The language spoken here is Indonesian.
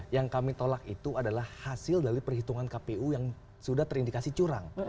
yang kami tolak itu adalah hasil dari perhitungan kpu yang sudah terindikasi curang